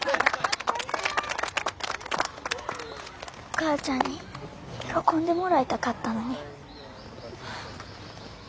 お母ちゃんに喜んでもらいたかったのに。